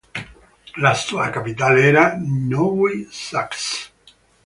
La sua capitale era Nowy Sącz.